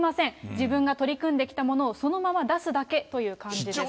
自分が取り組んできたものをそのまま出すだけという感じです。